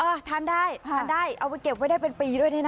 ทานได้ทานได้เอาไปเก็บไว้ได้เป็นปีด้วยนี่นะ